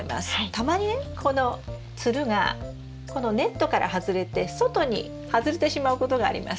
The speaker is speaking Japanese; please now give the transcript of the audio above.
たまにねこのつるがこのネットから外れて外に外れてしまうことがあります。